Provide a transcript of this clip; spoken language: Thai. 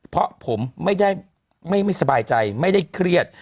เพราะผมไม่ได้ไม่สบายใจไม่ได้เครียด